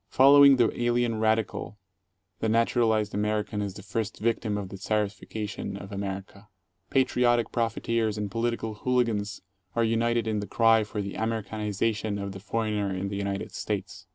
Following the "alien radical," the naturalized American is the first victim of the Czarification of America. Patriotic profiteers and political hooligans are united in the cry for the "Americaniza tion" of the foreigner in the United States.